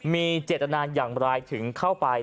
มีเจตนาอย่างไรถึงเข้าไป